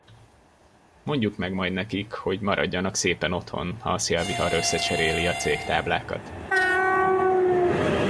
Mondjuk meg majd nekik, hogy maradjanak szépen otthon, ha a szélvihar összecseréli a cégtáblákat.